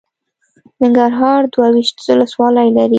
ننګرهار دوه ویشت ولسوالۍ لري.